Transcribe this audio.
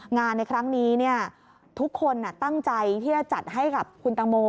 ในครั้งนี้ทุกคนตั้งใจที่จะจัดให้กับคุณตังโม